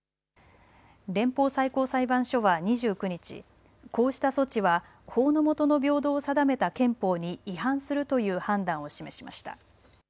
連邦最高裁判所は２９日、こうした措置は法の下の平等を定めた憲法に違反するという判断を示しました。